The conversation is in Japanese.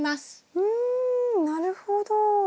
うんなるほど。